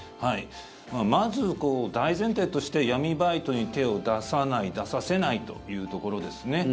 まず大前提として闇バイトに手を出さない出させないというところですね。